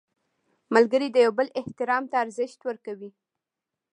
ملګری د یو بل احترام ته ارزښت ورکوي